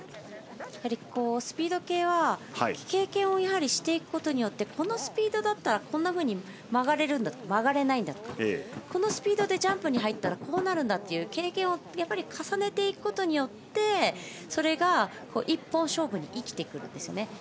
スピード系は経験をしていくことによってこのスピードだったらこんなふうに曲がれる曲がれないとかこのスピードでジャンプに入るとこうなるんだという経験を重ねていくことによってそれが一本勝負に生きてくるんですね。